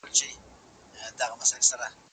شکر وباسئ چې لا تر اوسه دا باغ شین پاتې دی.